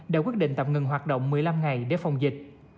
đã quyết định tạm ngừng hoạt động một mươi năm ngày để phòng dịch